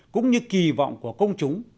cũng như kì vọng của công chúng